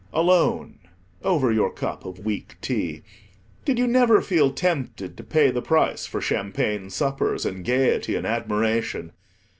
Alone, over your cup of weak tea, did you never feel tempted to pay the price for champagne suppers, and gaiety, and admiration?